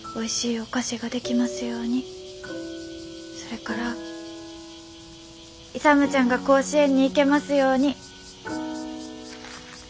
それから勇ちゃんが甲子園に行けますように。